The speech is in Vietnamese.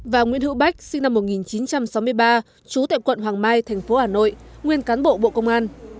và nguyễn hữu bách sinh năm một nghìn chín trăm sáu mươi ba trú tại quận hoàng mai tp hà nội nguyên cán bộ bộ công an